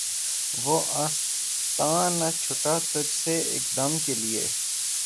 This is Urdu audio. وہ آستاں نہ چھٹا تجھ سے ایک دم کے لیے